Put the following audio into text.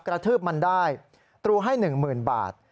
กระทืบมันได้ตรูให้๑๐๐๐บาท